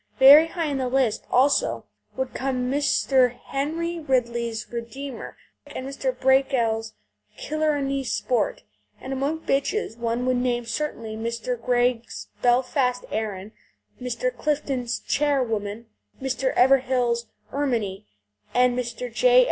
Very high in the list, also, would come Mr. Henry Ridley's Redeemer and Mr. Breakell's Killarney Sport. And among bitches one would name certainly Mr. Gregg's Belfast Erin, Mr. Clifton's Charwoman, Mr. Everill's Erminie, and Mr. J.